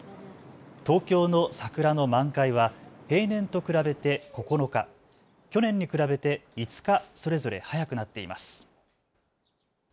東京の桜の満開は平年と比べて９日、去年に比べて５日、それぞれ早くなっています。